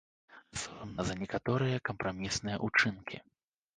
Сорамна за некаторыя кампрамісныя ўчынкі.